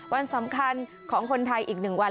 วันสำคัญของคนไทยอีก๑วัน